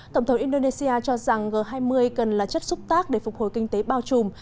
tổng thống indonesia cho rằng g hai mươi cần là chất xúc tác để phục hồi kinh tế bao trùm